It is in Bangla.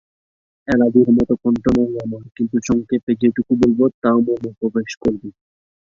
এলাদির মতো কণ্ঠ নয় আমার, কিন্তু সংক্ষেপে যেটুকু বলব তা মর্মে প্রবেশ করবে।